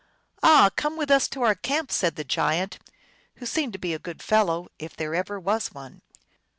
"Ah, come with us to our camp," said the giant, who seemed to be a good fellow, if there ever was one.